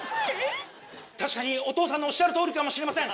確かにお義父さんのおっしゃる通りかもしれません。